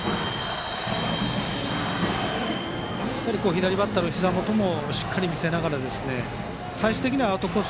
左バッターのひざ元も見せながら最終的にはアウトコース